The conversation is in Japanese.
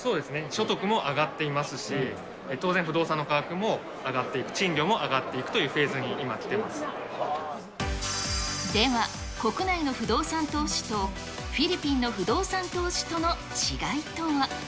所得も上がっていますし、当然、不動産の価格も上がっている、賃料も上がっていでは、国内の不動産投資とフィリピンの不動産投資との違いとは。